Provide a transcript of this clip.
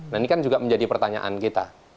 nah ini kan juga menjadi pertanyaan kita